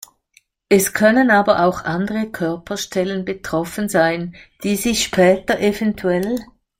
Es können aber auch andere Körperstellen betroffen sein, die sich später evtl.